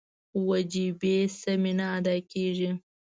وجیبې سمې نه ادا کېږي.